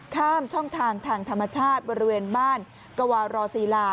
ข้ามช่องทางทางธรรมชาติบริเวณบ้านกวารศิลา